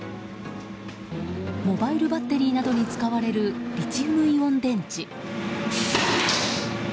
モバイルバッテリーなどに使われるリチウムイオン電池。